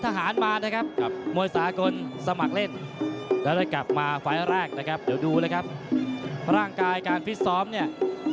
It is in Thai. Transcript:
ใช่ครับวันนั้นโชงแชมป์แพ้